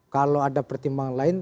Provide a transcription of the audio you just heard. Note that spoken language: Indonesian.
kalau ada pertimbangan lain